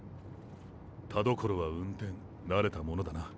田所は運転慣れたものだな。